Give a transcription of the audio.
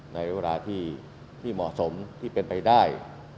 ในเวลาที่เหมาะสมที่เป็นไปได้